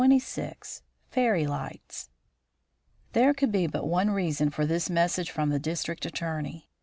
XXVI FERRY LIGHTS There could be but one reason for this message from the District Attorney.